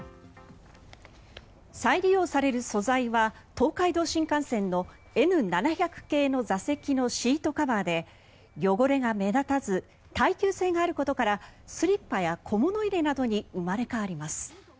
再利用される素材は東海道新幹線のＮ７００系の座席のシートカバーで汚れが目立たず耐久性があることからスリッパや小銭入れなどに生まれ変わります。